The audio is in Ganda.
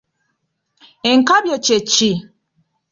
Ekkabyo kye ki?